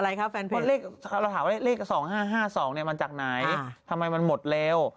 อะไรครับแฟนเพจเราก็ถามว่าเลข๒๕๕๒มาจากไหนทำไมมันหมดแล้ว